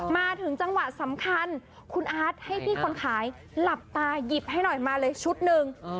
มาถึงจังหวะสำคัญคุณอาร์ตให้พี่คนขายหลับตาหยิบให้หน่อยมาเลยชุดหนึ่ง